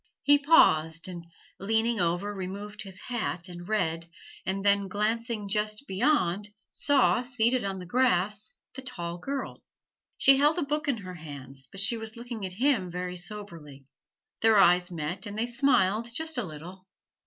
He paused and, leaning over removed his hat and read, and then glancing just beyond, saw seated on the grass the tall girl. She held a book in her hands, but she was looking at him very soberly. Their eyes met, and they smiled just a little.